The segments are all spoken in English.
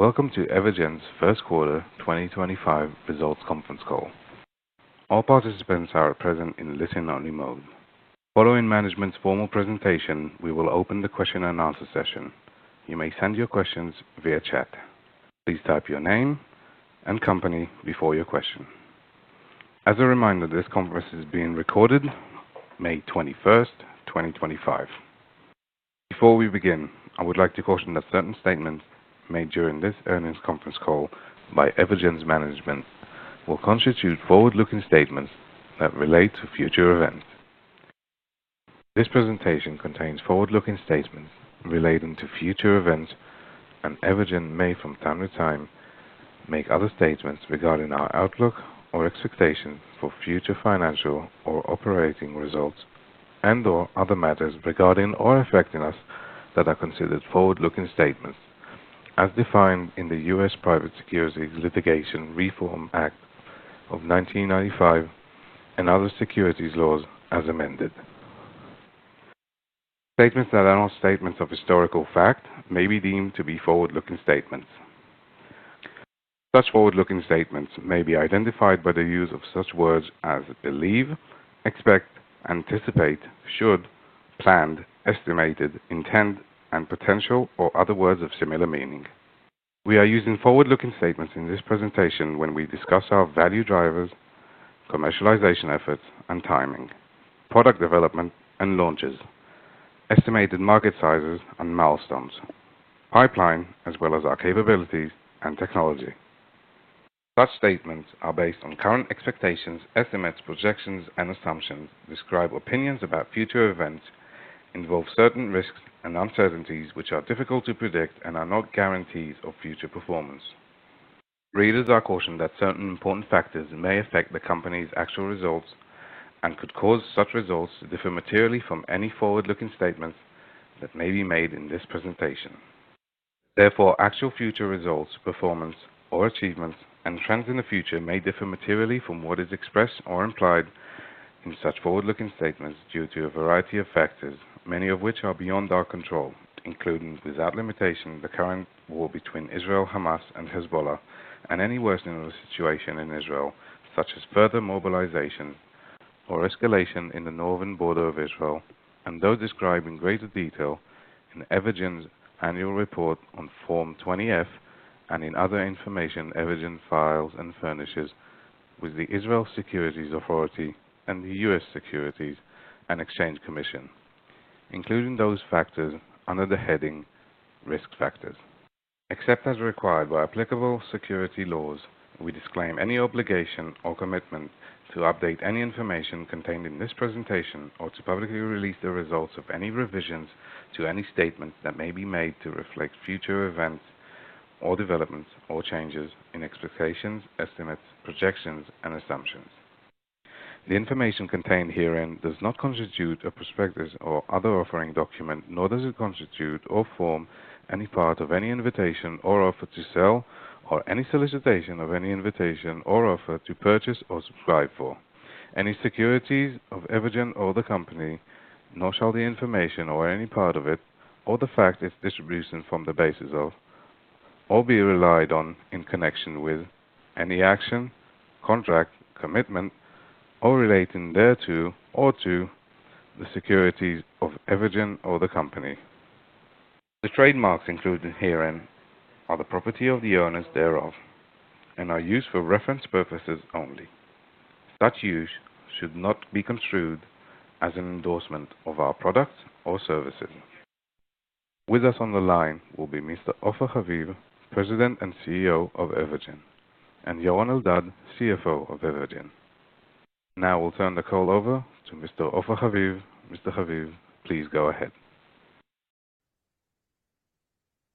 Welcome to Evogene's first quarter 2025 results conference call. All participants are at present in listen-only mode. Following management's formal presentation, we will open the question and answer session. You may send your questions via chat. Please type your name and company before your question. As a reminder, this conference is being recorded, May 21st, 2025. Before we begin, I would like to caution that certain statements made during this earnings conference call by Evogene's management will constitute forward-looking statements that relate to future events. This presentation contains forward-looking statements relating to future events, and Evogene may, from time to time, make other statements regarding our outlook or expectations for future financial or operating results and/or other matters regarding or affecting us that are considered forward-looking statements, as defined in the US Private Securities Litigation Reform Act of 1995 and other securities laws as amended. Statements that are not statements of historical fact may be deemed to be forward-looking statements. Such forward-looking statements may be identified by the use of such words as believe, expect, anticipate, should, planned, estimated, intend, and potential, or other words of similar meaning. We are using forward-looking statements in this presentation when we discuss our value drivers, commercialization efforts and timing, product development and launches, estimated market sizes and milestones, pipeline, as well as our capabilities and technology. Such statements are based on current expectations, estimates, projections, and assumptions, describe opinions about future events, involve certain risks and uncertainties which are difficult to predict and are not guarantees of future performance. Readers are cautioned that certain important factors may affect the company's actual results and could cause such results to differ materially from any forward-looking statements that may be made in this presentation. Therefore, actual future results, performance, or achievements, and trends in the future may differ materially from what is expressed or implied in such forward-looking statements due to a variety of factors, many of which are beyond our control, including without limitation the current war between Israel, Hamas, and Hezbollah, and any worsening of the situation in Israel, such as further mobilization or escalation in the northern border of Israel, and those described in greater detail in Evogene's annual report on Form 20F and in other information Evogene files and furnishes with the Israel Securities Authority and the US Securities and Exchange Commission, including those factors under the heading risk factors. Except as required by applicable securities laws, we disclaim any obligation or commitment to update any information contained in this presentation or to publicly release the results of any revisions to any statement that may be made to reflect future events or developments or changes in expectations, estimates, projections, and assumptions. The information contained herein does not constitute a prospectus or other offering document, nor does it constitute or form any part of any invitation or offer to sell or any solicitation of any invitation or offer to purchase or subscribe for any securities of Evogene or the company, nor shall the information or any part of it or the fact its distribution form the basis of, or be relied on in connection with any action, contract, commitment, or relating thereto, or to, the securities of Evogene or the company. The trademarks included herein are the property of the owners thereof and are used for reference purposes only. Such use should not be construed as an endorsement of our products or services. With us on the line will be Mr. Ofer Haviv, President and CEO of Evogene, and Yaron Eldad, CFO of Evogene. Now we'll turn the call over to Mr. Ofer Haviv. Mr. Haviv, please go ahead.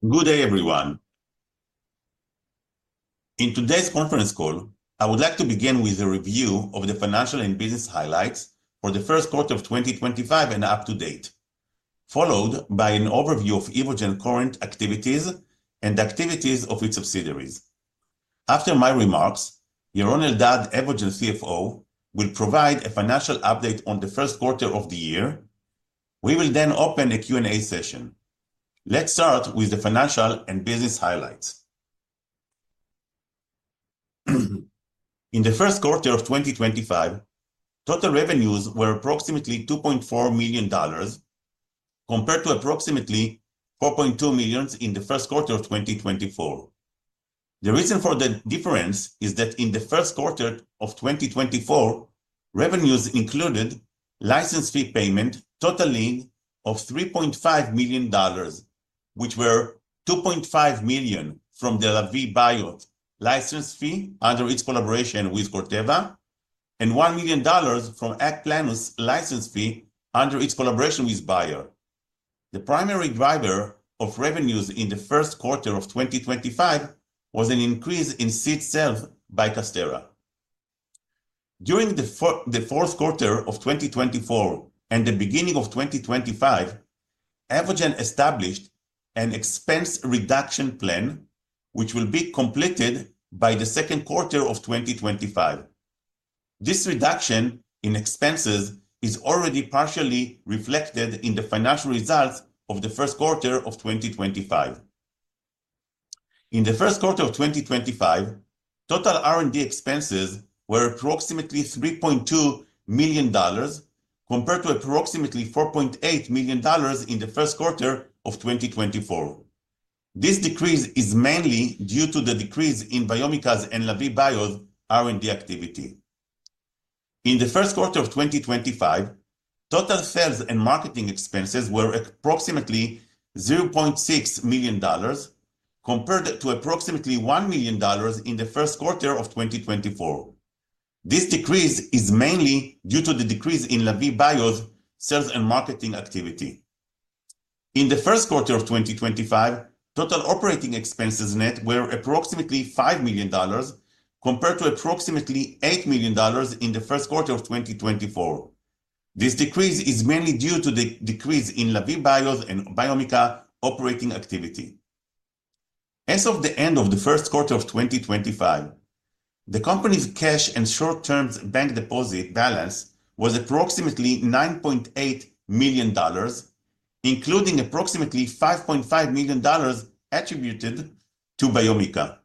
Good day, everyone. In today's conference call, I would like to begin with a review of the financial and business highlights for the first quarter of 2025 and up to date, followed by an overview of Evogene's current activities and activities of its subsidiaries. After my remarks, Yaron Eldad, Evogene CFO, will provide a financial update on the first quarter of the year. We will then open a Q&A session. Let's start with the financial and business highlights. In the first quarter of 2025, total revenues were approximately $2.4 million compared to approximately $4.2 million in the first quarter of 2024. The reason for the difference is that in the first quarter of 2024, revenues included license fee payment totaling $3.5 million, which were $2.5 million from the Lavie Bio license fee under its collaboration with Corteva and $1 million from the AgPlenus license fee under its collaboration with Bayer. The primary driver of revenues in the first quarter of 2025 was an increase in seed sales by Casterra. During the fourth quarter of 2024 and the beginning of 2025, Evogene established an expense reduction plan, which will be completed by the second quarter of 2025. This reduction in expenses is already partially reflected in the financial results of the first quarter of 2025. In the first quarter of 2025, total R&D expenses were approximately $3.2 million compared to approximately $4.8 million in the first quarter of 2024. This decrease is mainly due to the decrease in Biomica's and Lavie Bio's R&D activity. In the first quarter of 2025, total sales and marketing expenses were approximately $0.6 million compared to approximately $1 million in the first quarter of 2024. This decrease is mainly due to the decrease in Lavie Bio's sales and marketing activity. In the first quarter of 2025, total operating expenses net were approximately $5 million compared to approximately $8 million in the first quarter of 2024. This decrease is mainly due to the decrease in Lavie Bio's and Biomica operating activity. As of the end of the first quarter of 2025, the company's cash and short-term bank deposit balance was approximately $9.8 million, including approximately $5.5 million attributed to Biomica.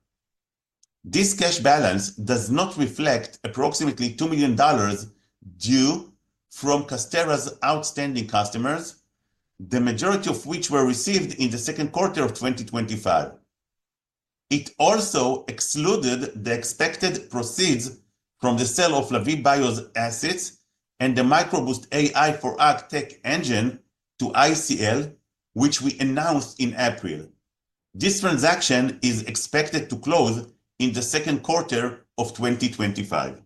This cash balance does not reflect approximately $2 million due from Casterra's outstanding customers, the majority of which were received in the second quarter of 2025. It also excluded the expected proceeds from the sale of Lavie Bio's assets and the Microboost AI for ArcTech engine to ICL, which we announced in April. This transaction is expected to close in the second quarter of 2025.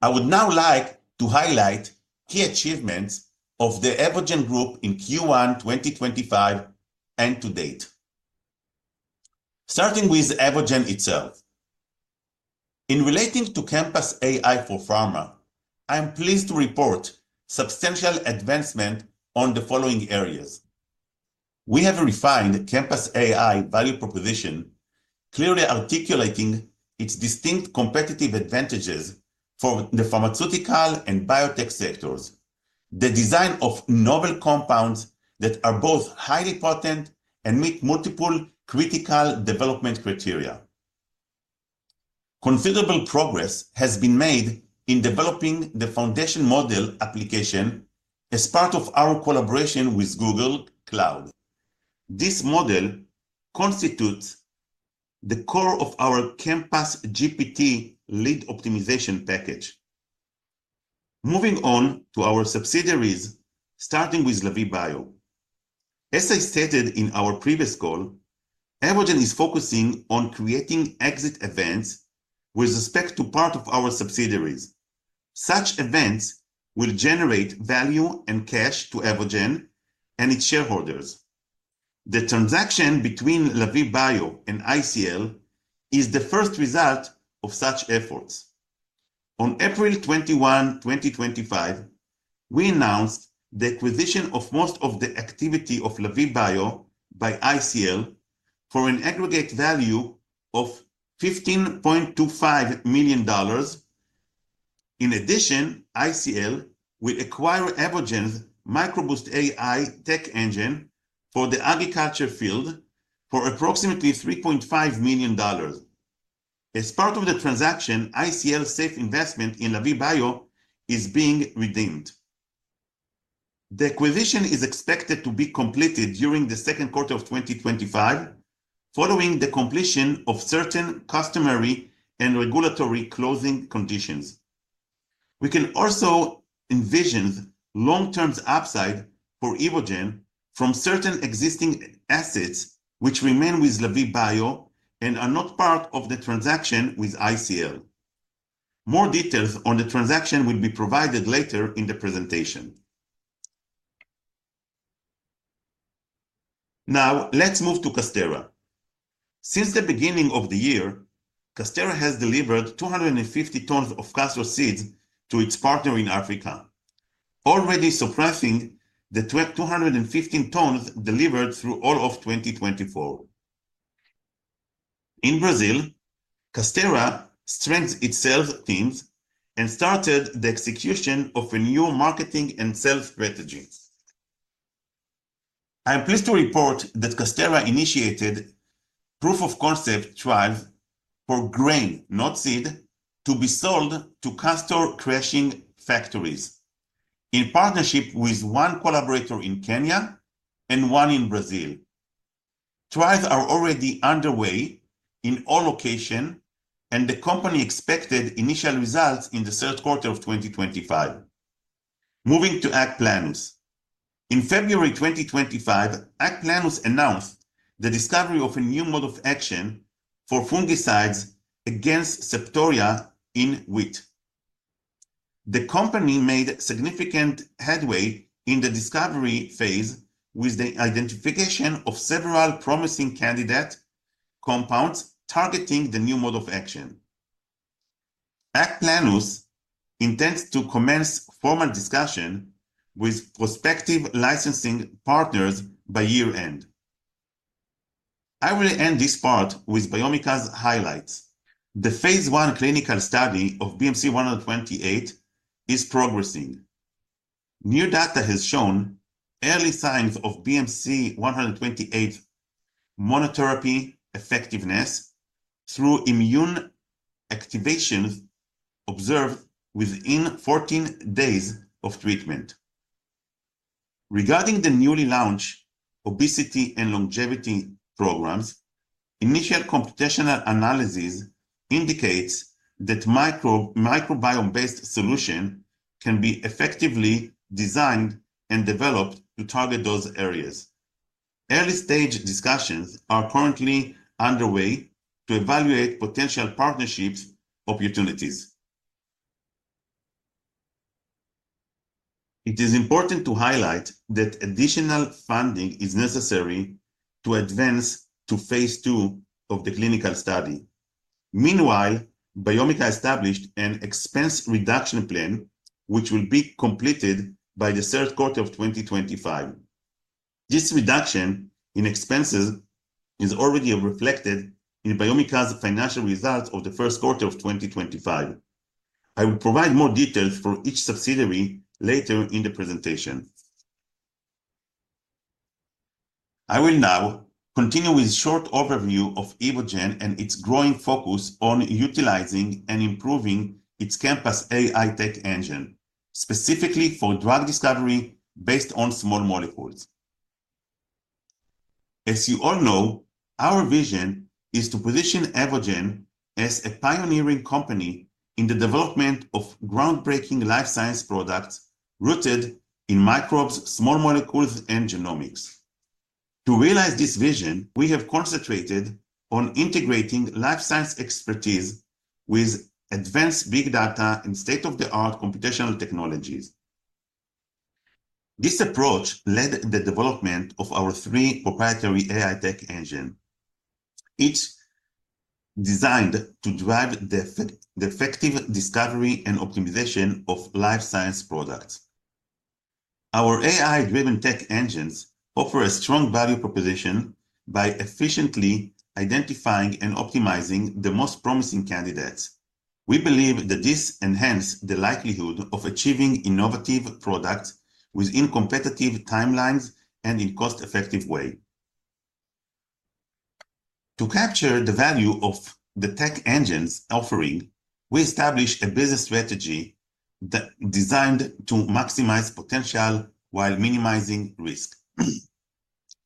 I would now like to highlight key achievements of the Evogene Group in Q1 2025 and to date. Starting with Evogene itself. In relating to Compass AI for Pharma, I am pleased to report substantial advancement on the following areas. We have a refined Compass AI value proposition clearly articulating its distinct competitive advantages for the pharmaceutical and biotech sectors, the design of novel compounds that are both highly potent and meet multiple critical development criteria. Considerable progress has been made in developing the foundation model application as part of our collaboration with Google Cloud. This model constitutes the core of our CompassGPT lead optimization package. Moving on to our subsidiaries, starting with Lavie Bio. As I stated in our previous call, Evogene is focusing on creating exit events with respect to part of our subsidiaries. Such events will generate value and cash to Evogene and its shareholders. The transaction between Lavie Bio and ICL is the first result of such efforts. On April 21, 2025, we announced the acquisition of most of the activity of Lavie Bio by ICL for an aggregate value of $15.25 million. In addition, ICL will acquire Evogene's MicroBoost AI tech engine for the agriculture field for approximately $3.5 million. As part of the transaction, ICL's SAFE investment in Lavie Bio is being redeemed. The acquisition is expected to be completed during the second quarter of 2025, following the completion of certain customary and regulatory closing conditions. We can also envision long-term upside for Evogene from certain existing assets which remain with Lavie Bio and are not part of the transaction with ICL. More details on the transaction will be provided later in the presentation. Now, let's move to Casterra. Since the beginning of the year, Casterra has delivered 250 tons of castor seeds to its partner in Africa, already surpassing the 215 tons delivered through all of 2024. In Brazil, Casterra strengthened its sales teams and started the execution of a new marketing and sales strategy. I am pleased to report that Casterra initiated proof-of-concept trials for grain, not seed, to be sold to castor crushing factories in partnership with one collaborator in Kenya and one in Brazil. Trials are already underway in all locations, and the company expected initial results in the third quarter of 2025. Moving to AgPlenus. In February 2025, AgPlenus announced the discovery of a new mode of action for fungicides against Septoria in wheat. The company made significant headway in the discovery phase with the identification of several promising candidate compounds targeting the new mode of action. AgPlenus intends to commence formal discussion with prospective licensing partners by year-end. I will end this part with Biomica's highlights. The phase I clinical study of BMC-128 is progressing. New data has shown early signs of BMC-128 monotherapy effectiveness through immune activation observed within 14 days of treatment. Regarding the newly launched obesity and longevity programs, initial computational analysis indicates that microbiome-based solutions can be effectively designed and developed to target those areas. Early-stage discussions are currently underway to evaluate potential partnership opportunities. It is important to highlight that additional funding is necessary to advance to phase II of the clinical study. Meanwhile, Biomica established an expense reduction plan, which will be completed by the third quarter of 2025. This reduction in expenses is already reflected in Biomica's financial results of the first quarter of 2025. I will provide more details for each subsidiary later in the presentation. I will now continue with a short overview of Evogene and its growing focus on utilizing and improving its Compass AI tech engine, specifically for drug discovery based on small molecules. As you all know, our vision is to position Evogene as a pioneering company in the development of groundbreaking life science products rooted in microbes, small molecules, and genomics. To realize this vision, we have concentrated on integrating life science expertise with advanced big data and state-of-the-art computational technologies. This approach led to the development of our three proprietary AI tech engines, each designed to drive the effective discovery and optimization of life science products. Our AI-driven tech engines offer a strong value proposition by efficiently identifying and optimizing the most promising candidates. We believe that this enhances the likelihood of achieving innovative products within competitive timelines and in a cost-effective way. To capture the value of the tech engines offering, we established a business strategy designed to maximize potential while minimizing risk.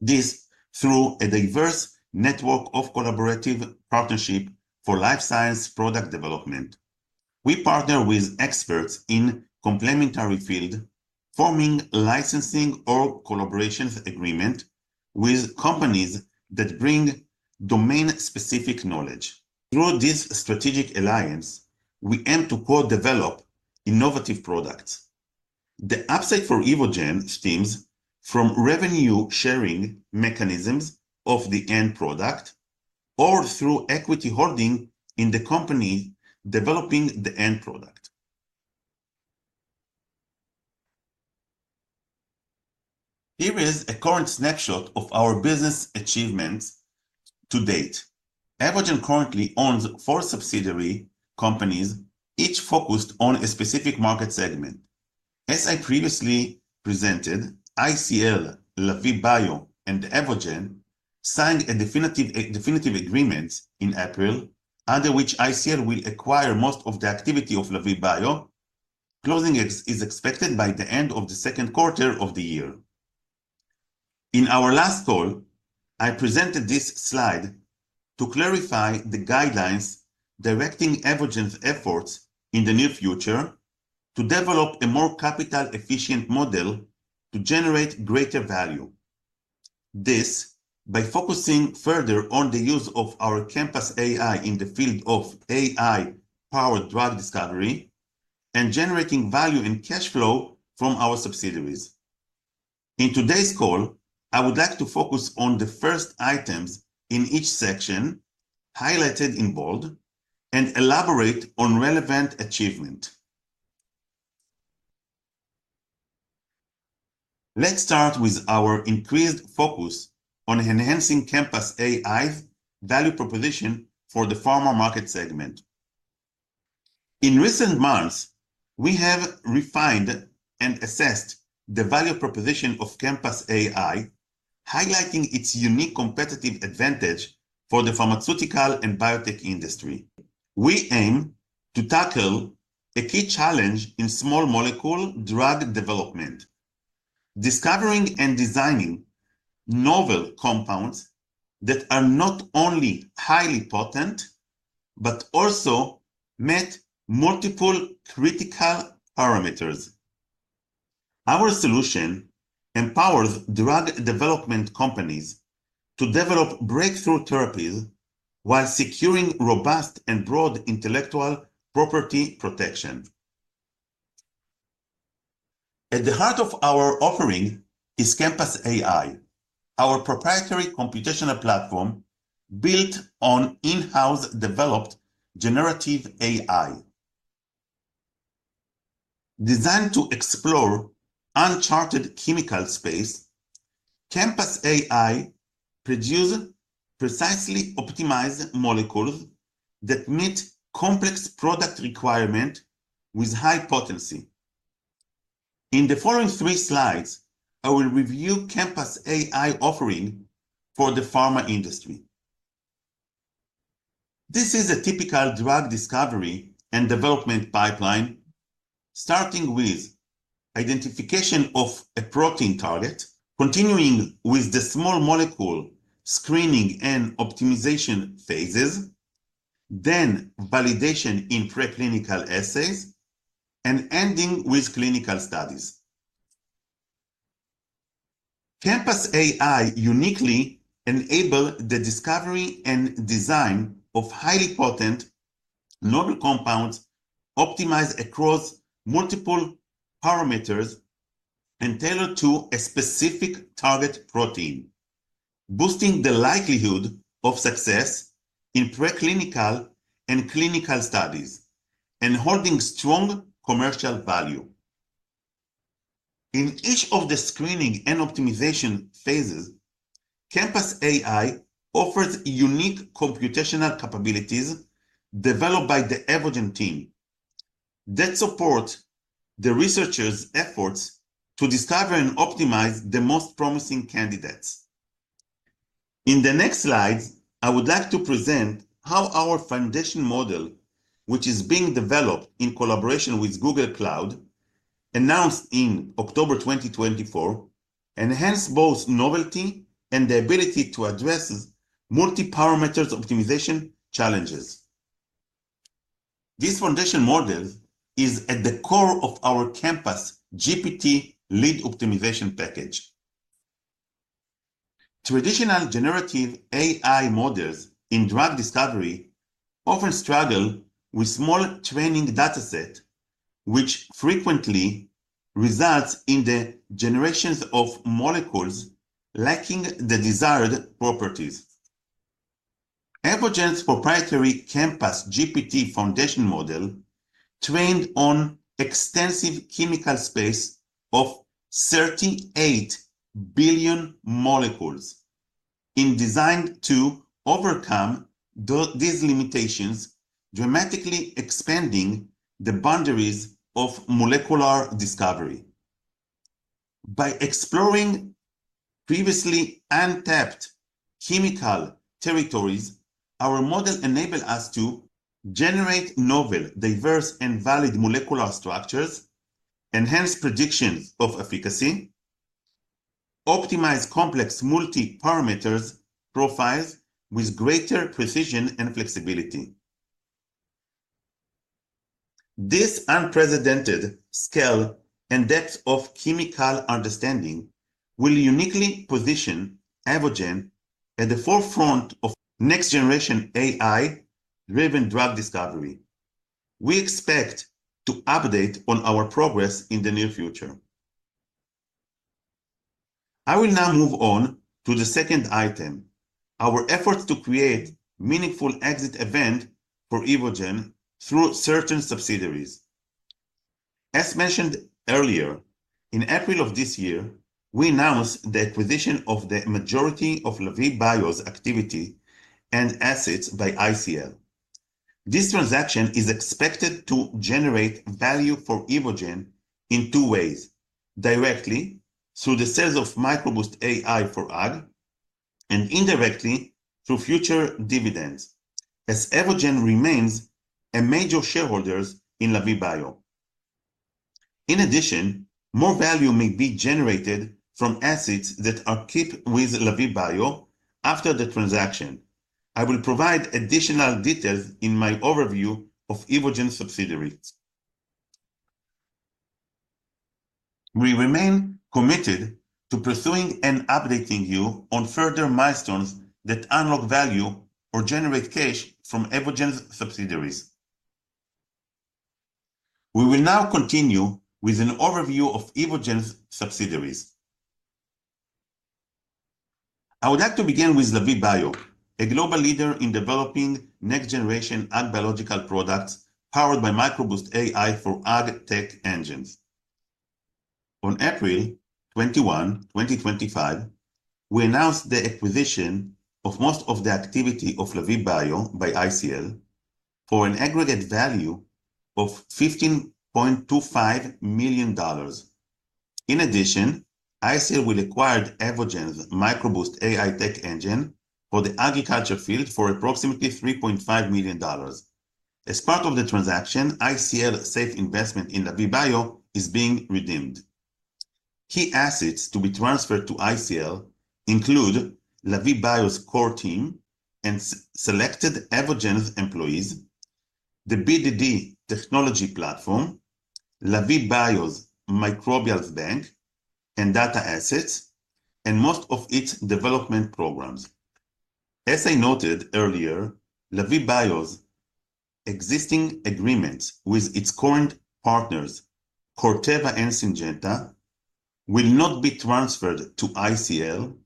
This is through a diverse network of collaborative partnerships for life science product development. We partner with experts in the complementary field, forming licensing or collaboration agreements with companies that bring domain-specific knowledge. Through this strategic alliance, we aim to co-develop innovative products. The upside for Evogene stems from revenue-sharing mechanisms of the end product or through equity holding in the company developing the end product. Here is a current snapshot of our business achievements to date. Evogene currently owns four subsidiary companies, each focused on a specific market segment. As I previously presented, ICL, Lavie Bio, and Evogene signed a definitive agreement in April, under which ICL will acquire most of the activity of Lavie Bio. Closing is expected by the end of the second quarter of the year. In our last call, I presented this slide to clarify the guidelines directing Evogene's efforts in the near future to develop a more capital-efficient model to generate greater value. This is by focusing further on the use of our Compass AI in the field of AI-powered drug discovery and generating value and cash flow from our subsidiaries. In today's call, I would like to focus on the first items in each section highlighted in bold and elaborate on relevant achievements. Let's start with our increased focus on enhancing Compass AI's value proposition for the pharma market segment. In recent months, we have refined and assessed the value proposition of Compass AI, highlighting its unique competitive advantage for the pharmaceutical and biotech industry. We aim to tackle a key challenge in small molecule drug development: discovering and designing novel compounds that are not only highly potent but also meet multiple critical parameters. Our solution empowers drug development companies to develop breakthrough therapies while securing robust and broad intellectual property protection. At the heart of our offering is Compass AI, our proprietary computational platform built on in-house developed generative AI. Designed to explore uncharted chemical space, Compass AI produces precisely optimized molecules that meet complex product requirements with high potency. In the following three slides, I will review Compass AI's offering for the pharma industry. This is a typical drug discovery and development pipeline, starting with the identification of a protein target, continuing with the small molecule screening and optimization phases, then validation in preclinical assays, and ending with clinical studies. Compass AI uniquely enables the discovery and design of highly potent novel compounds optimized across multiple parameters and tailored to a specific target protein, boosting the likelihood of success in preclinical and clinical studies and holding strong commercial value. In each of the screening and optimization phases, Compass AI offers unique computational capabilities developed by the Evogene team that support the researchers' efforts to discover and optimize the most promising candidates. In the next slides, I would like to present how our foundation model, which is being developed in collaboration with Google Cloud, announced in October 2024, enhances both novelty and the ability to address multi-parameter optimization challenges. This foundation model is at the core of our CompassGPT lead optimization package. Traditional generative AI models in drug discovery often struggle with small training data sets, which frequently results in the generation of molecules lacking the desired properties. Evogene's proprietary CompassGPT foundation model, trained on an extensive chemical space of 38 billion molecules, is designed to overcome these limitations, dramatically expanding the boundaries of molecular discovery. By exploring previously untapped chemical territories, our model enables us to generate novel, diverse, and valid molecular structures, enhance predictions of efficacy, and optimize complex multi-parameter profiles with greater precision and flexibility. This unprecedented scale and depth of chemical understanding will uniquely position Evogene at the forefront of next-generation AI-driven drug discovery. We expect to update on our progress in the near future. I will now move on to the second item: our efforts to create a meaningful exit event for Evogene through certain subsidiaries. As mentioned earlier, in April of this year, we announced the acquisition of the majority of Lavie Bio's activity and assets by ICL. This transaction is expected to generate value for Evogene in two ways: directly through the sales of MicroBoost AI for ag and indirectly through future dividends, as Evogene remains a major shareholder in Lavie Bio. In addition, more value may be generated from assets that are kept with Lavie Bio after the transaction. I will provide additional details in my overview of Evogene's subsidiaries. We remain committed to pursuing and updating you on further milestones that unlock value or generate cash from Evogene's subsidiaries. We will now continue with an overview of Evogene's subsidiaries. I would like to begin with Lavie Bio, a global leader in developing next-generation ag biological products powered by MicroBoost AI for ag tech engines. On April 21, 2025, we announced the acquisition of most of the activity of Lavie Bio by ICL for an aggregate value of $15.25 million. In addition, ICL will acquire Evogene's MicroBoost AI tech engine for the agriculture field for approximately $3.5 million. As part of the transaction, ICL's SAFE investment in Lavie Bio is being redeemed. Key assets to be transferred to ICL include Lavie Bio's core team and selected Evogene employees, the BDD technology platform, Lavie Bio's microbial bank and data assets, and most of its development programs. As I noted earlier, Lavie Bio's existing agreements with its current partners, Corteva and Syngenta, will not be transferred to ICL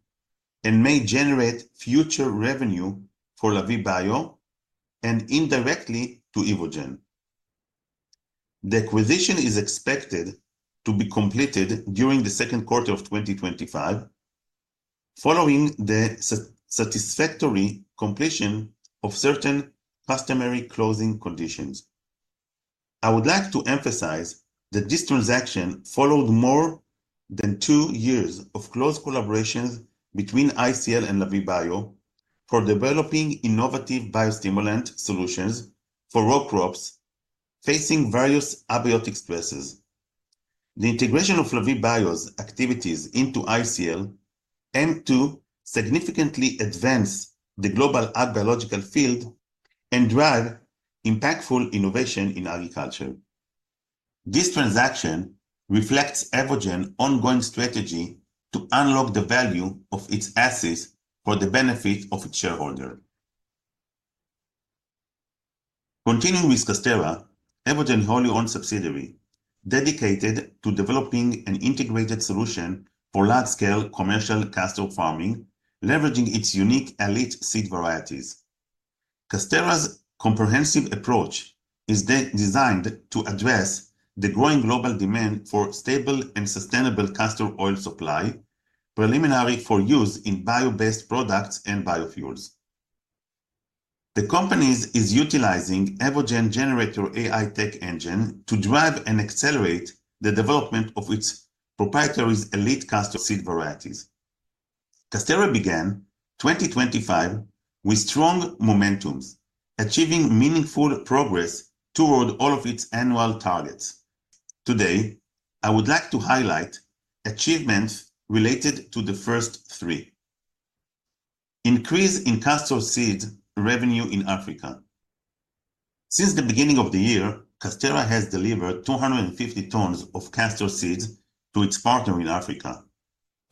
and may generate future revenue for Lavie Bio and indirectly to Evogene. The acquisition is expected to be completed during the second quarter of 2025, following the satisfactory completion of certain customary closing conditions. I would like to emphasize that this transaction followed more than two years of close collaboration between ICL and Lavie Bio for developing innovative biostimulant solutions for row crops facing various abiotic stresses. The integration of Lavie Bio's activities into ICL aims to significantly advance the global ag biological field and drive impactful innovation in agriculture. This transaction reflects Evogene's ongoing strategy to unlock the value of its assets for the benefit of its shareholders. Continuing with Casterra, Evogene is a wholly owned subsidiary dedicated to developing an integrated solution for large-scale commercial castor farming, leveraging its unique elite seed varieties. Casterra's comprehensive approach is designed to address the growing global demand for stable and sustainable castor oil supply, preliminary for use in bio-based products and biofuels. The company is utilizing Evogene's GeneRator AI tech engine to drive and accelerate the development of its proprietary elite castor seed varieties. Casterra began 2025 with strong momentum, achieving meaningful progress toward all of its annual targets. Today, I would like to highlight achievements related to the first three: increase in castor seed revenue in Africa. Since the beginning of the year, Casterra has delivered 250 tons of castor seeds to its partner in Africa,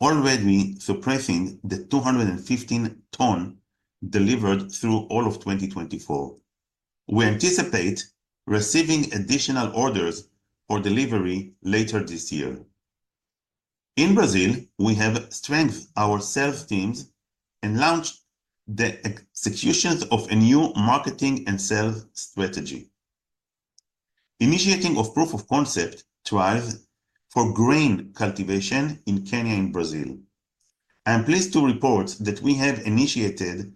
already surpassing the 215 tons delivered throughout 2024. We anticipate receiving additional orders for delivery later this year. In Brazil, we have strengthened our sales teams and launched the execution of a new marketing and sales strategy. Initiating proof of concept trials for grain cultivation in Kenya and Brazil. I am pleased to report that we have initiated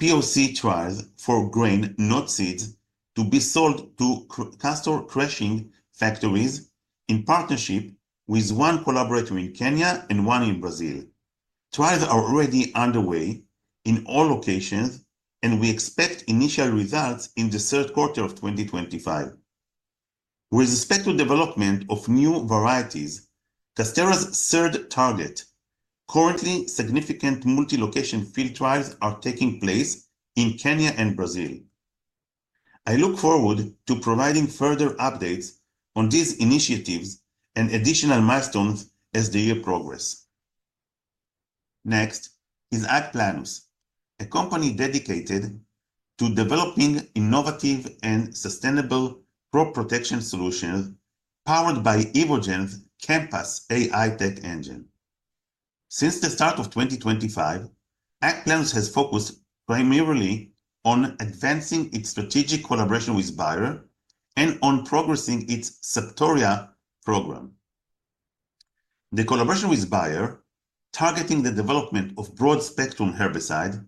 POC trials for grain, not seeds, to be sold to castor crushing factories in partnership with one collaborator in Kenya and one in Brazil. Trials are already underway in all locations, and we expect initial results in the third quarter of 2025. With respect to the development of new varieties, Casterra's third target, currently significant multi-location field trials are taking place in Kenya and Brazil. I look forward to providing further updates on these initiatives and additional milestones as the year progresses. Next is AgPlenus, a company dedicated to developing innovative and sustainable crop protection solutions powered by Evogene's Compass AI tech engine. Since the start of 2025, AgPlenus has focused primarily on advancing its strategic collaboration with Bayer and on progressing its Septoria program. The collaboration with Bayer, targeting the development of broad-spectrum herbicides,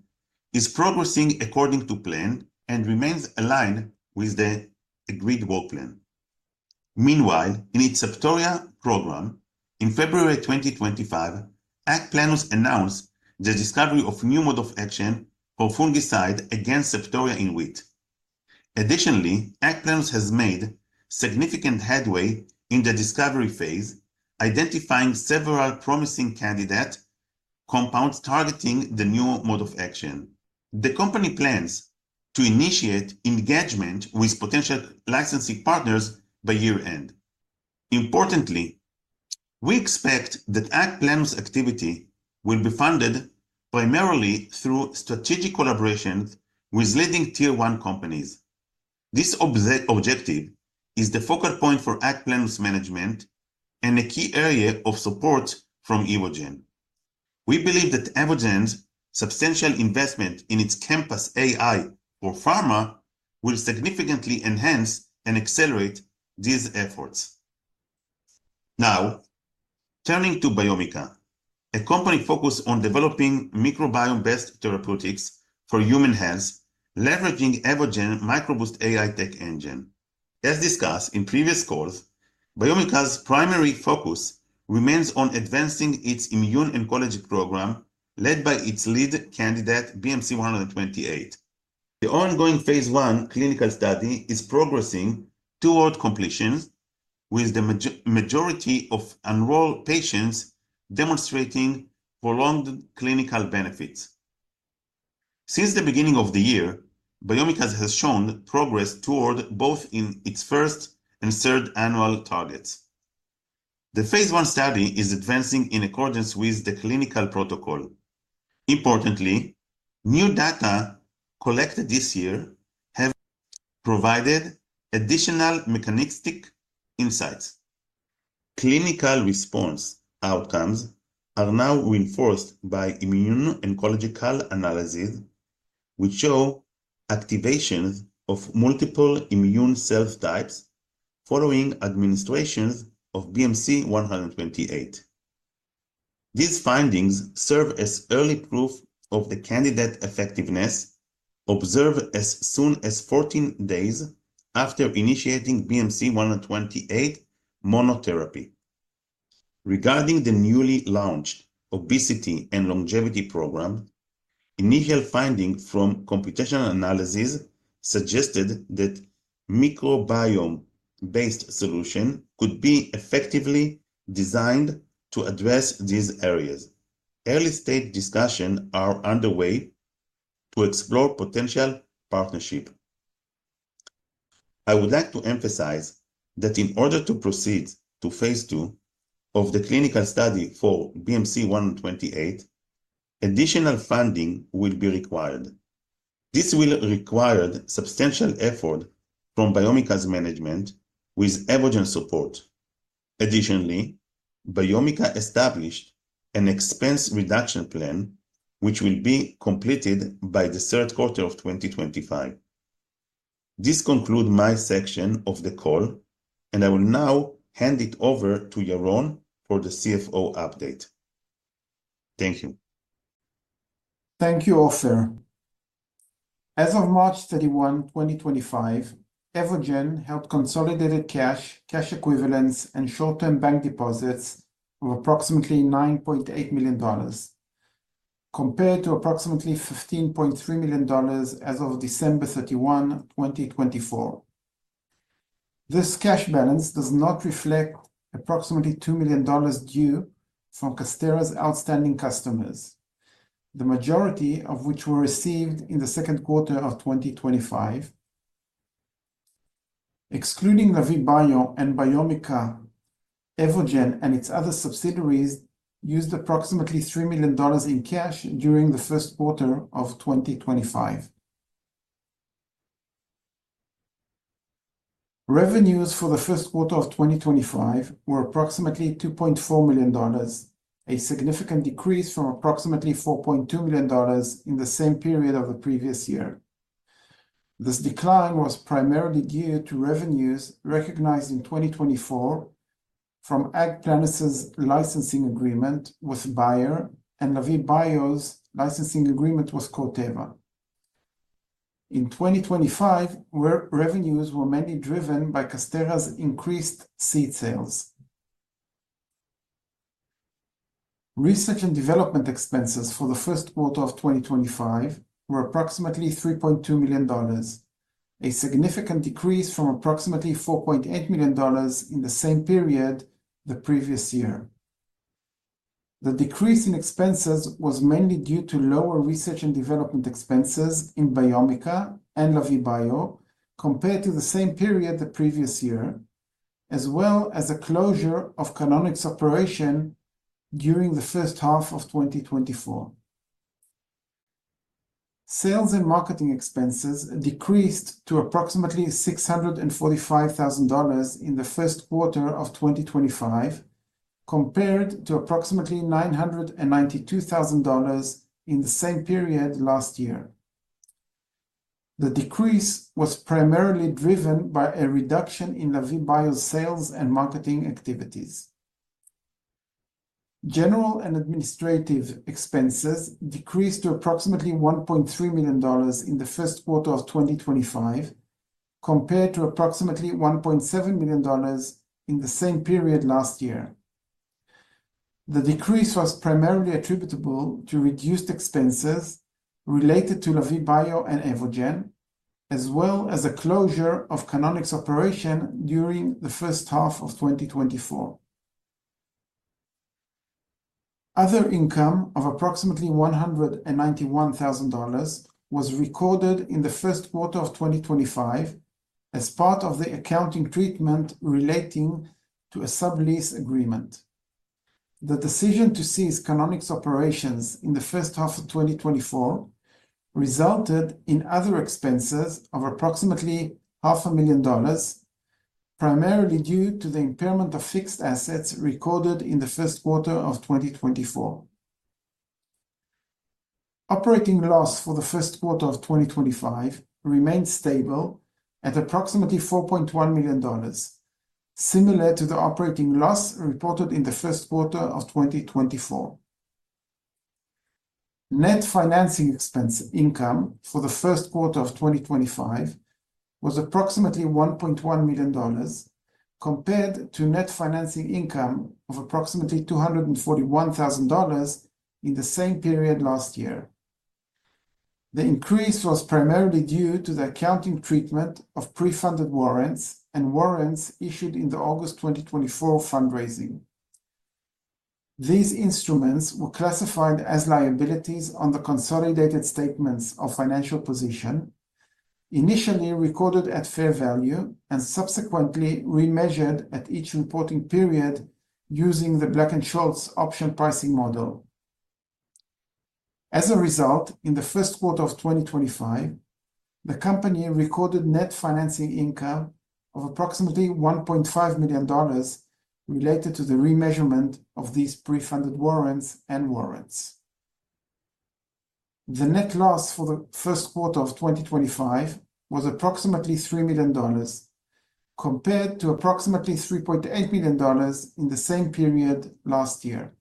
is progressing according to plan and remains aligned with the agreed work plan. Meanwhile, in its Septoria program, in February 2025, AgPlenus announced the discovery of a new mode of action for fungicide against Septoria in wheat. Additionally, AgPlenus has made significant headway in the discovery phase, identifying several promising candidate compounds targeting the new mode of action. The company plans to initiate engagement with potential licensing partners by year-end. Importantly, we expect that AgPlenus' activity will be funded primarily through strategic collaborations with leading Tier one companies. This objective is the focal point for AgPlenus management and a key area of support from Evogene. We believe that Evogene's substantial investment in its Compass AI for pharma will significantly enhance and accelerate these efforts. Now, turning to Biomica, a company focused on developing microbiome-based therapeutics for human health, leveraging Evogene's MicroBoost AI tech engine. As discussed in previous calls, Biomica's primary focus remains on advancing its immune oncology program led by its lead candidate, BMC-128. The ongoing phase I clinical study is progressing toward completion, with the majority of enrolled patients demonstrating prolonged clinical benefits. Since the beginning of the year, Biomica has shown progress toward both its first and third annual targets. The phase I study is advancing in accordance with the clinical protocol. Importantly, new data collected this year have provided additional mechanistic insights. Clinical response outcomes are now reinforced by immune oncological analyses, which show activations of multiple immune cell types following administrations of BMC-128. These findings serve as early proof of the candidate effectiveness observed as soon as 14 days after initiating BMC-128 monotherapy. Regarding the newly launched obesity and longevity program, initial findings from computational analysis suggested that microbiome-based solutions could be effectively designed to address these areas. Early-stage discussions are underway to explore potential partnerships. I would like to emphasize that in order to proceed to phase II of the clinical study for BMC-128, additional funding will be required. This will require substantial effort from Biomica's management, with Evogene's support. Additionally, Biomica established an expense reduction plan, which will be completed by the third quarter of 2025. This concludes my section of the call, and I will now hand it over to Yaron for the CFO update. Thank you. Thank you, Ofer. As of March 31, 2025, Evogene held consolidated cash, cash equivalents, and short-term bank deposits of approximately $9.8 million, compared to approximately $15.3 million as of December 31, 2024. This cash balance does not reflect approximately $2 million due from Casterra's outstanding customers, the majority of which were received in the second quarter of 2025. Excluding Lavie Bio and Biomica, Evogene and its other subsidiaries used approximately $3 million in cash during the first quarter of 2025. Revenues for the first quarter of 2025 were approximately $2.4 million, a significant decrease from approximately $4.2 million in the same period of the previous year. This decline was primarily due to revenues recognized in 2024 from AgPlenus's licensing agreement with Bayer, and Lavie Bio's licensing agreement with Corteva. In 2025, revenues were mainly driven by Casterra's increased seed sales. Research and development expenses for the first quarter of 2025 were approximately $3.2 million, a significant decrease from approximately $4.8 million in the same period the previous year. The decrease in expenses was mainly due to lower research and development expenses in Biomica and Lavie Bio compared to the same period the previous year, as well as a closure of Canonic's operation during the first half of 2024. Sales and marketing expenses decreased to approximately $645,000 in the first quarter of 2025, compared to approximately $992,000 in the same period last year. The decrease was primarily driven by a reduction in Lavie Bio's sales and marketing activities. General and administrative expenses decreased to approximately $1.3 million in the first quarter of 2025, compared to approximately $1.7 million in the same period last year. The decrease was primarily attributable to reduced expenses related to Lavie Bio and Evogene, as well as a closure of Canonic's operation during the first half of 2024. Other income of approximately $191,000 was recorded in the first quarter of 2025 as part of the accounting treatment relating to a sub-lease agreement. The decision to cease Canonix's operations in the first half of 2024 resulted in other expenses of approximately $500,000, primarily due to the impairment of fixed assets recorded in the first quarter of 2024. Operating loss for the first quarter of 2025 remained stable at approximately $4.1 million, similar to the operating loss reported in the first quarter of 2024. Net financing expense income for the first quarter of 2025 was approximately $1.1 million, compared to net financing income of approximately $241,000 in the same period last year. The increase was primarily due to the accounting treatment of pre-funded warrants and warrants issued in the August 2024 fundraising. These instruments were classified as liabilities on the consolidated statements of financial position, initially recorded at fair value and subsequently remeasured at each reporting period using the Black-Scholes option pricing model. As a result, in the first quarter of 2025, the company recorded net financing income of approximately $1.5 million related to the remeasurement of these pre-funded warrants and warrants. The net loss for the first quarter of 2025 was approximately $3 million, compared to approximately $3.8 million in the same period last year.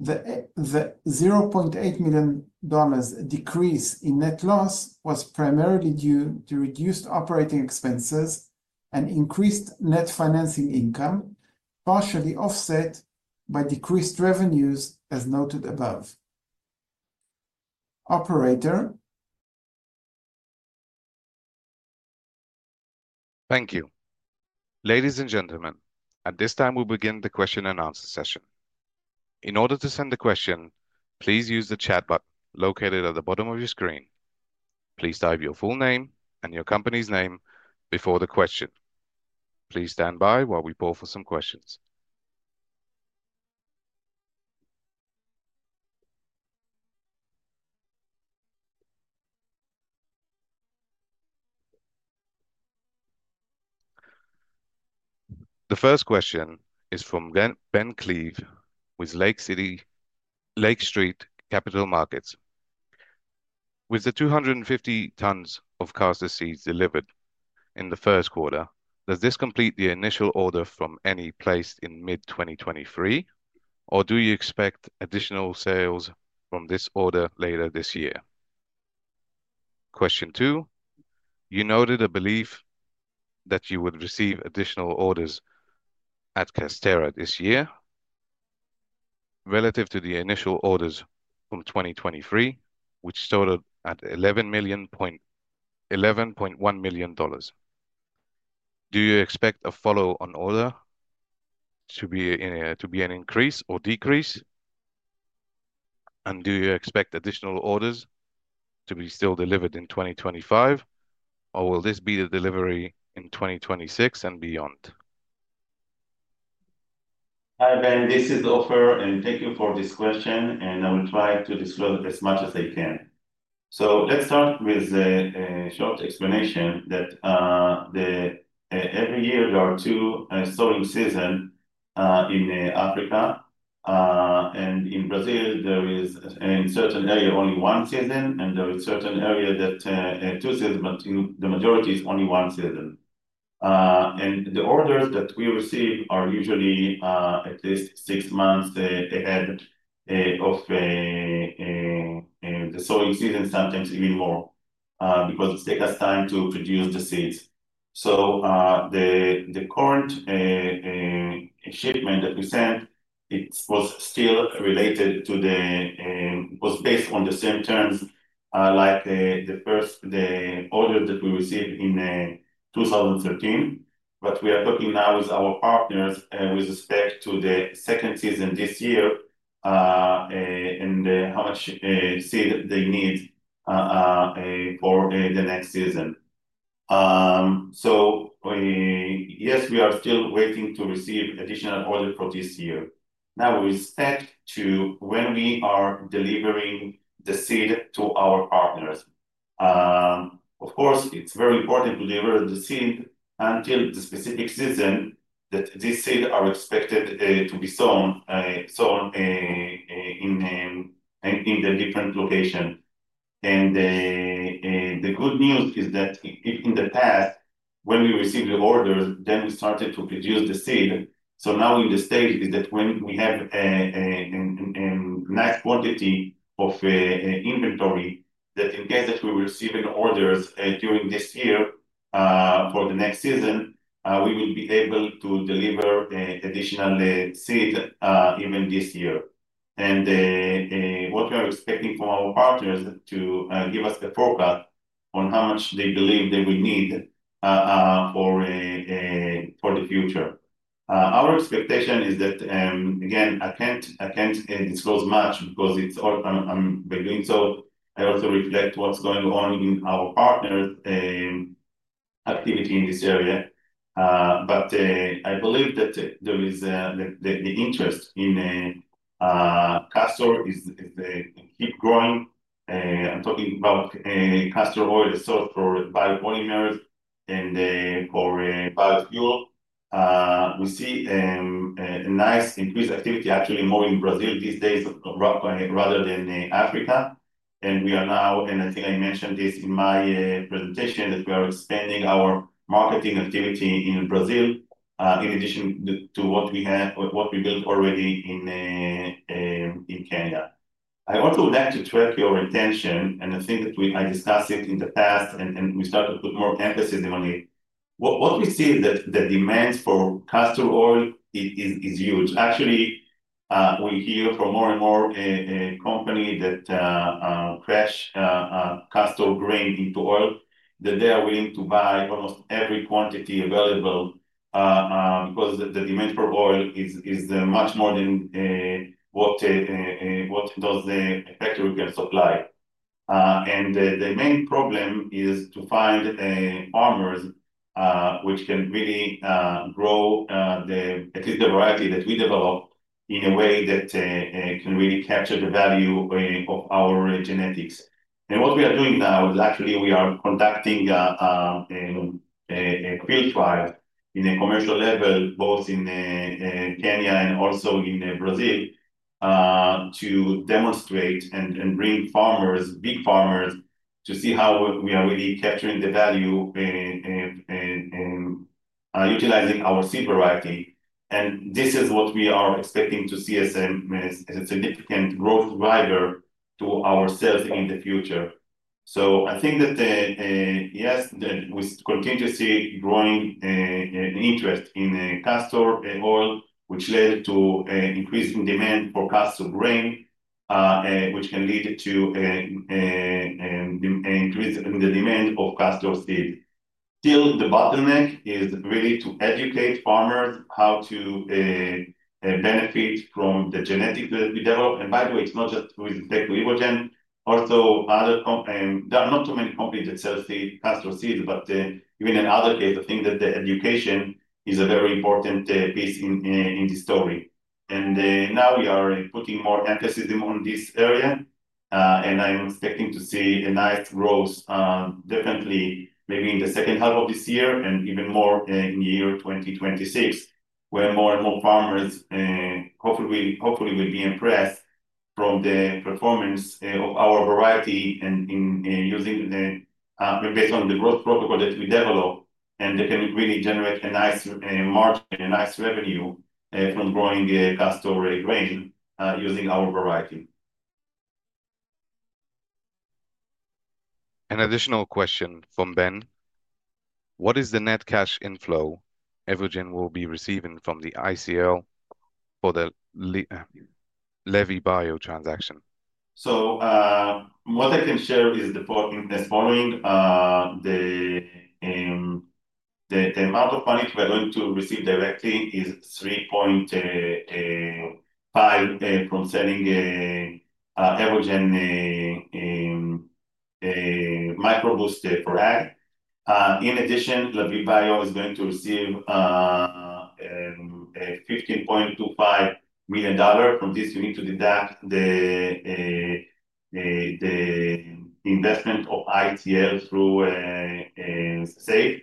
The $0.8 million decrease in net loss was primarily due to reduced operating expenses and increased net financing income, partially offset by decreased revenues, as noted above .Operator. Thank you. Ladies and gentlemen, at this time, we'll begin the question and answer session. In order to send the question, please use the chat button located at the bottom of your screen. Please type your full name and your company's name before the question. Please stand by while we pull for some questions. The first question is from Ben Cleave with Lake Street Capital Markets. With the 250 tons of castor seeds delivered in the first quarter, does this complete the initial order from any placed in mid-2023, or do you expect additional sales from this order later this year? Question two, you noted a belief that you would receive additional orders at Casterra this year relative to the initial orders from 2023, which started at $11.1 million. Do you expect a follow-on order to be an increase or decrease? Do you expect additional orders to be still delivered in 2025, or will this be the delivery in 2026 and beyond? Hi, Ben. This is Ofer, and thank you for this question. I will try to describe it as much as I can. Let's start with a short explanation that, every year, there are two sowing seasons in Africa. In Brazil, there is, in certain areas, only one season, and there are certain areas that, two seasons, but in the majority, it's only one season. The orders that we receive are usually, at least six months ahead of the sowing season, sometimes even more, because it takes us time to produce the seeds. The current shipment that we sent, it was still related to the, it was based on the same terms, like the first, the orders that we received in 2013. We are talking now with our partners, with respect to the second season this year, and how much seed they need for the next season. Yes, we are still waiting to receive additional orders for this year. Now, we step to when we are delivering the seed to our partners. Of course, it's very important to deliver the seed until the specific season that these seeds are expected to be sown in the different location. The good news is that in the past, when we received the orders, then we started to produce the seed. Now, at this stage, we have a nice quantity of inventory, that in case we receive an order during this year for the next season, we will be able to deliver additional seed even this year. What we are expecting from our partners is to give us the forecast on how much they believe they will need for the future. Our expectation is that, again, I can't disclose much because it's all I'm doing. I also reflect what's going on in our partners' activity in this area. I believe that the interest in castor is growing. I'm talking about castor oil sourced for biopolymer and for biofuel. We see a nice increased activity, actually more in Brazil these days rather than Africa. We are now, and I think I mentioned this in my presentation, expanding our marketing activity in Brazil, in addition to what we have built already in Kenya. I also would like to attract your attention, and I think that we discussed it in the past, and we started to put more emphasis on it. What we see is that the demand for castor oil is huge. Actually, we hear from more and more companies that crush castor grain into oil, that they are willing to buy almost every quantity available, because the demand for oil is much more than what those factories can supply. The main problem is to find farmers which can really grow at least the variety that we develop in a way that can really capture the value of our genetics. What we are doing now is actually we are conducting a field trial on a commercial level, both in Kenya and also in Brazil, to demonstrate and bring farmers, big farmers, to see how we are really capturing the value, utilizing our seed variety. This is what we are expecting to see as a significant growth driver to ourselves in the future. I think that, yes, we continue to see growing interest in castor oil, which led to increasing demand for castor grain, which can lead to an increase in the demand of castor seed. Still, the bottleneck is really to educate farmers how to benefit from the genetic that we develop. By the way, it's not just with Evogene, also other, there are not too many companies that sell castor seed, but even in other cases, I think that the education is a very important piece in this story. Now we are putting more emphasis on this area, and I'm expecting to see a nice growth, definitely maybe in the second half of this year and even more, in the year 2026, where more and more farmers, hopefully, hopefully will be impressed from the performance of our variety and in, using, based on the growth protocol that we develop, and they can really generate a nice margin, a nice revenue, from growing castor grain, using our variety. An additional question from Ben. What is the net cash inflow Evogene will be receiving from the ICL for the Lavie Bio transaction? What I can share is the following: the amount of money we are going to receive directly is $3.5 million from selling Evogene MicroBoost AI. In addition, Lavie Bio is going to receive $15.25 million from this. You need to deduct the investment of ICL through SAFE.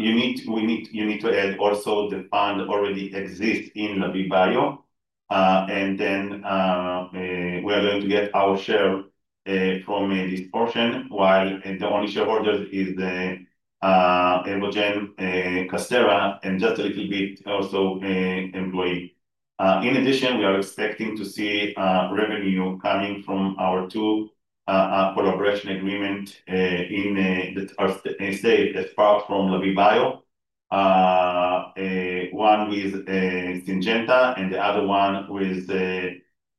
You need, we need, you need to add also the fund already exists in Lavie Bio. And then, we are going to get our share from this portion, while the only shareholders is the Evogene, Casterra and just a little bit also, employee. In addition, we are expecting to see revenue coming from our two collaboration agreement, in, that are stayed apart from Lavie Bio. One with Syngenta and the other one with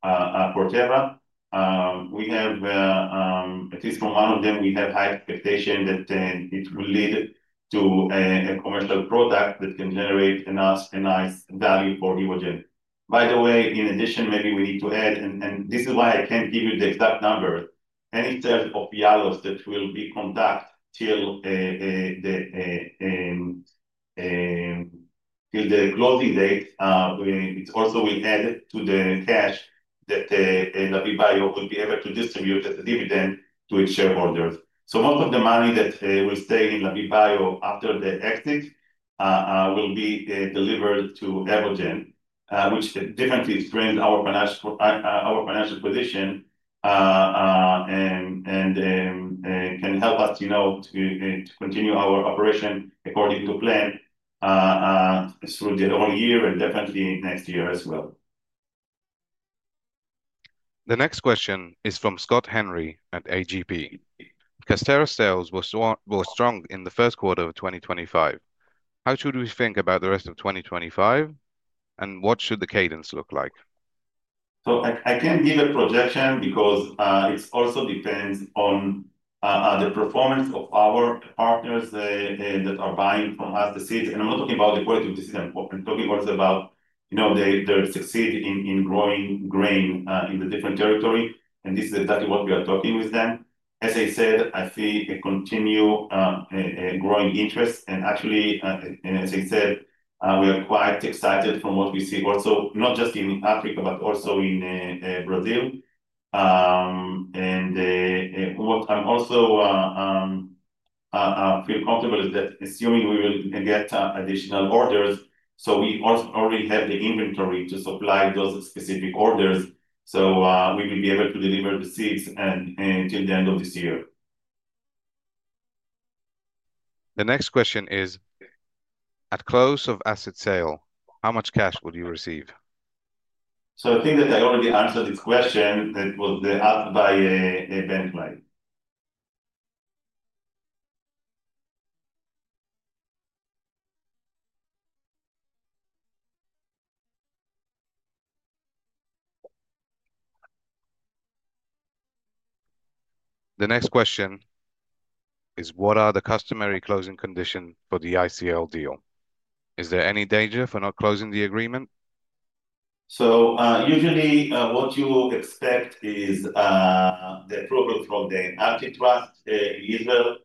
Corteva. We have, at least from one of them, we have high expectation that it will lead to a commercial product that can generate a nice, a nice value for Evogene. By the way, in addition, maybe we need to add, and this is why I can't give you the exact numbers, any sales of Yalos that will be conducted till the, till the closing date. It also will add to the cash that Lavie Bio will be able to distribute as a dividend to its shareholders. Most of the money that will stay in Lavie Bio after the exit will be delivered to Evogene, which definitely strengthens our financial position and can help us, you know, to continue our operation according to plan, through the whole year and definitely next year as well. The next question is from Scott Henry at AGP. Casterra sales were strong in the first quarter of 2025. How should we think about the rest of 2025, and what should the cadence look like? I can't give a projection because it also depends on the performance of our partners that are buying from us the seeds. I'm not talking about the quality of the seeds. I'm talking also about, you know, they succeed in growing grain in the different territory. This is exactly what we are talking with them. As I said, I see a continued growing interest. Actually, as I said, we are quite excited from what we see also, not just in Africa, but also in Brazil. What I also feel comfortable is that assuming we will get additional orders, we already have the inventory to supply those specific orders. We will be able to deliver the seeds till the end of this year. The next question is, at close of asset sale, how much cash will you receive? I think that I already answered this question that was asked by Ben Klein. The next question is, what are the customary closing conditions for the ICL deal? Is there any danger for not closing the agreement? Usually, what you expect is the approval from the antitrust in Israel.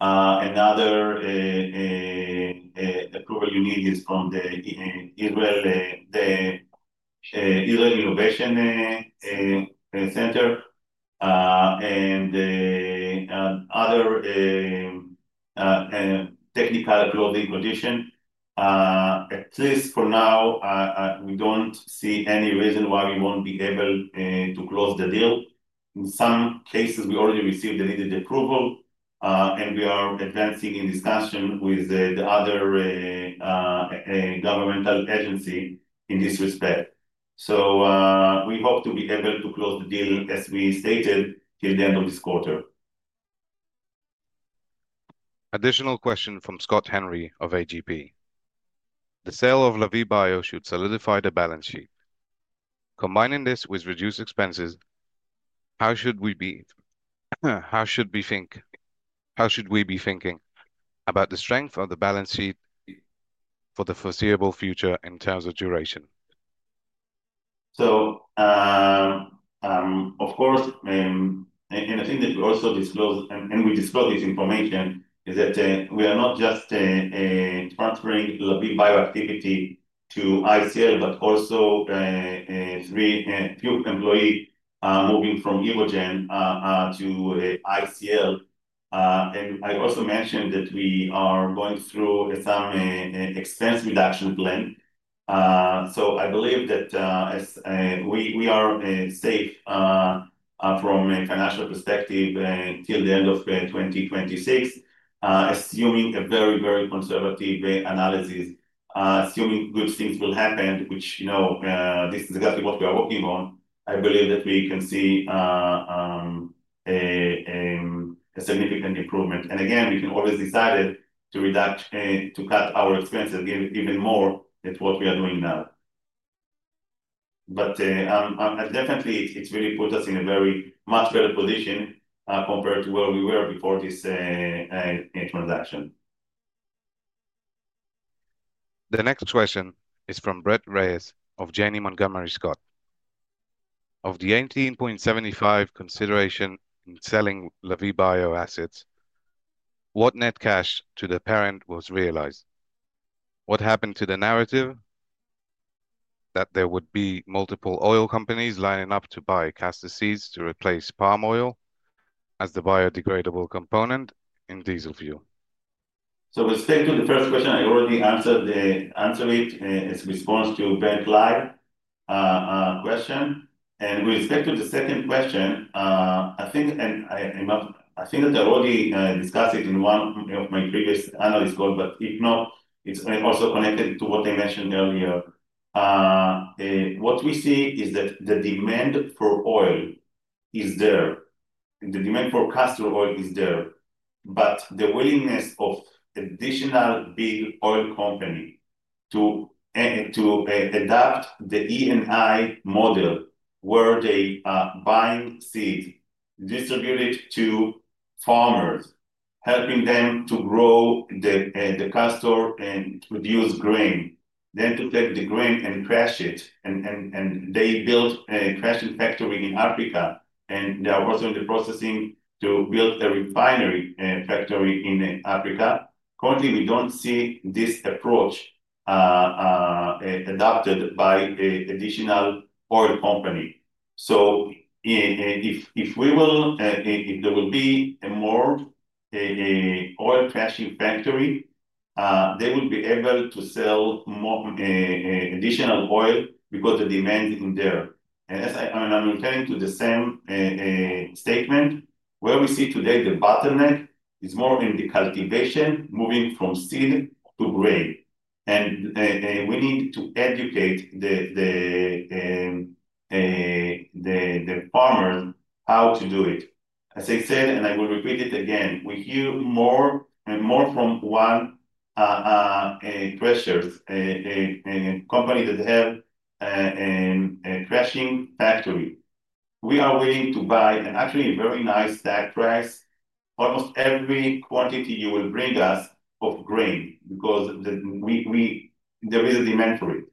Another approval you need is from the Israel Innovation Center, and other technical closing condition. At least for now, we do not see any reason why we will not be able to close the deal. In some cases, we already received the needed approval, and we are advancing in discussion with the other governmental agency in this respect. We hope to be able to close the deal, as we stated, till the end of this quarter. Additional question from Scott Henry of AGP. The sale of Lavie Bio should solidify the balance sheet. Combining this with reduced expenses, how should we be, how should we think, how should we be thinking about the strength of the balance sheet for the foreseeable future in terms of duration? Of course, and I think that we also disclose, and we disclose this information, is that we are not just transferring Lavie Bio activity to ICL, but also a few employees moving from Evogene to ICL. I also mentioned that we are going through some expense reduction plan. I believe that, as we are safe from a financial perspective till the end of 2026, assuming a very, very conservative analysis, assuming good things will happen, which, you know, this is exactly what we are working on. I believe that we can see a significant improvement. Again, we can always decide to reduce, to cut our expenses even more than what we are doing now. I'm, I'm, I definitely, it's really put us in a very much better position, compared to where we were before this transaction. The next question is from Brett Reyes of Janey Montgomery Scott. Of the $18.75 million consideration in selling Lavie Bio assets, what net cash to the parent was realized? What happened to the narrative that there would be multiple oil companies lining up to buy castor seeds to replace palm oil as the biodegradable component in diesel fuel? We'll stick to the first question. I already answered it, as response to Brett Klein's question. We'll stick to the second question. I think, and I, I'm not, I think that I already discussed it in one of my previous analyst calls, but if not, it's also connected to what I mentioned earlier. What we see is that the demand for oil is there. The demand for castor oil is there, but the willingness of additional big oil companies to adapt the E&I model where they buy seeds, distribute it to farmers, helping them to grow the castor and produce grain, then to take the grain and crash it, and they build a crashing factory in Africa, and they are also in the processing to build a refinery factory in Africa. Currently, we don't see this approach adopted by additional oil company. If there will be a more oil crushing factory, they will be able to sell more additional oil because the demand is there. I mean, I'm referring to the same statement where we see today the bottleneck is more in the cultivation, moving from seed to grain. We need to educate the farmers how to do it. As I said, and I will repeat it again, we hear more and more from one, pressures, company that have crushing factory. We are willing to buy actually at a very nice tax price, almost every quantity you will bring us of grain because there is a demand for it.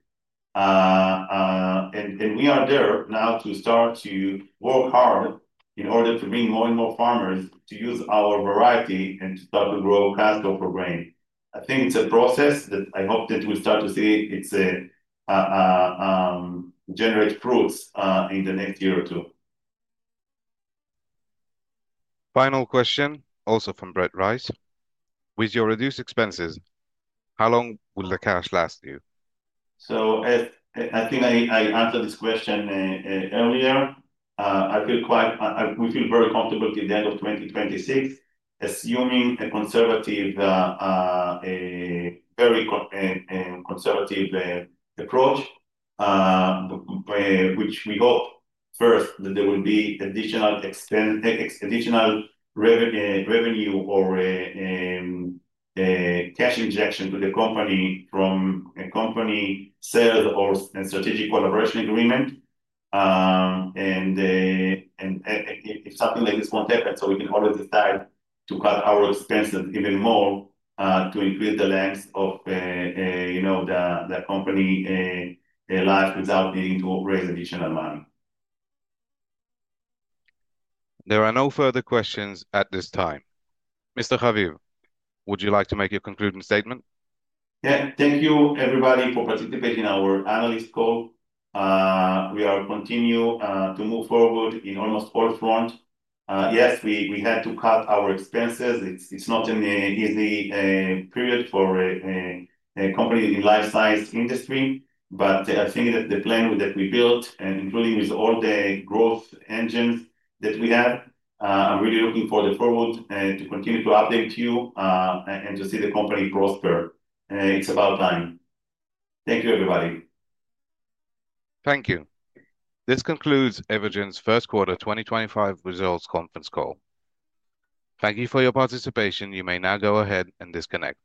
We are there now to start to work hard in order to bring more and more farmers to use our variety and to start to grow castor for grain. I think it's a process that I hope that we start to see it generate fruits in the next year or two. Final question also from Brett Rice. With your reduced expenses, how long will the cash last you? As I think I answered this question earlier, I feel quite, we feel very comfortable till the end of 2026, assuming a conservative, very conservative, approach, which we hope first that there will be additional expense, additional revenue or cash injection to the company from company sales or a strategic collaboration agreement. And if something like this will not happen, we can always decide to cut our expenses even more to increase the length of, you know, the company life without needing to raise additional money. There are no further questions at this time. Mr. Haviv, would you like to make your concluding statement? Yeah, thank you everybody for participating in our analyst call. We are continuing to move forward in almost all fronts. Yes, we had to cut our expenses. It's not an easy period for a company in the life science industry, but I think that the plan that we built, including all the growth engines that we have, I'm really looking forward to continuing to update you and to see the company prosper. It's about time. Thank you everybody. Thank you. This concludes Evogene's first quarter 2025 results conference call. Thank you for your participation. You may now go ahead and disconnect.